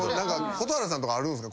蛍原さんとかあるんすか？